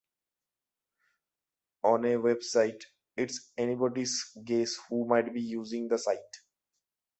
On a website, it's anybody's guess who might be using the site.